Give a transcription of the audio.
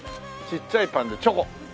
ちっちゃいパンでチョコ！